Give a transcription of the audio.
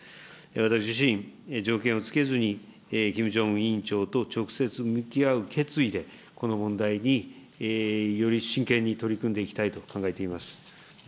私自身、条件を付けずに、キム・ジョンウン委員長と直接向き合う決意で、この問題に、より真剣に取り組んでいきたいと考えております。